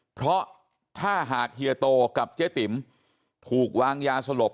เพราะถ้าหากเฮียโตกับเจ๊ติ๋มถูกวางยาสลบ